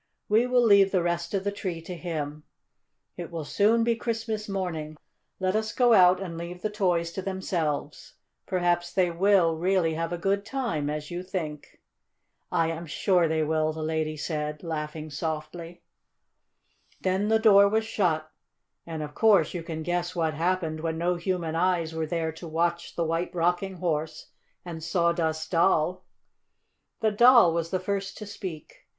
"We will leave the rest of the tree to him. It will soon be Christmas morning. Let us go out and leave the toys to themselves. Perhaps they will really have a good time, as you think." "I am sure they will," the lady said, laughing softly. Then the door was shut and of course you can guess what happened when no human eyes were there to watch the White Rocking Horse and Sawdust Doll. The Doll was the first to speak.